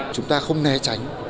chúng ta không né tránh